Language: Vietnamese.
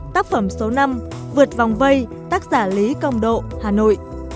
tác phẩm số năm vượt vòng vây tác giả lý công độ hà nội